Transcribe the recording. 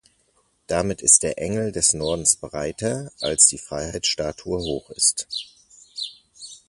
Damit ist der Engel des Nordens breiter, als die Freiheitsstatue hoch ist.